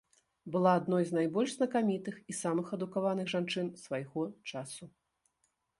Была адной з найбольш знакамітых і самых адукаваных жанчын свайго часу.